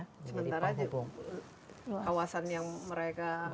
sementara di kawasan yang mereka harus